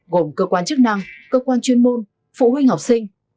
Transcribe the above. gồm cơ quan chức năng cơ quan chuyên môn phụ huynh học sinh